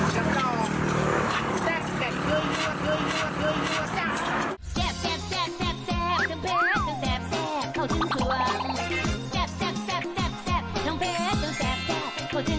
กำลังแซ่บแต่เงื่อยจ้ะ